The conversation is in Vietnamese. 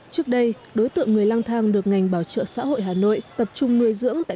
trước đây đối tượng người lang thang được ngành bảo trợ xã hội hà nội tập trung nuôi dưỡng tại